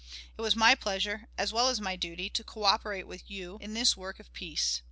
"It was my pleasure, as well as my duty, to coöperate with you in this work of peace.